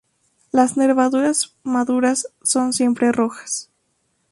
Las nervaduras maduras son siempre rojas.